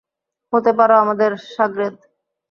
হতে পারো আমাদের শাগরেদ।